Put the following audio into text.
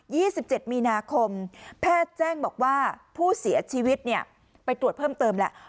สิบเจ็ดมีนาคมแพทย์แจ้งบอกว่าผู้เสียชีวิตเนี่ยไปตรวจเพิ่มเติมแล้ว